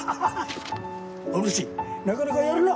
おぬしなかなかやるな！